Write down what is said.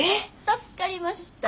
助かりました。